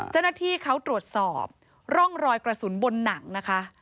เจ้าหน้าที่เขาตรวจสอบร่องรอยกระสุนบนหนังนะคะ